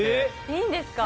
いいんですか？